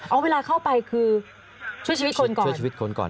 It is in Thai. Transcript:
เอาเวลาเข้าไปคือช่วยชีวิตคนก่อน